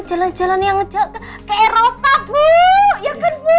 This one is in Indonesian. sekalian jalan jalan yang ngejalan ke eropa bu ya kan bu